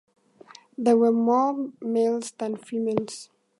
There were more males than females.